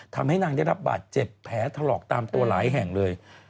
ทำให้นางได้รับบาดเจ็บแผลถลอกตามตัวหลายแห่งเลย